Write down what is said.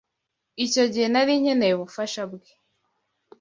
Icyo gihe nari nkeneye ubufasha bwe.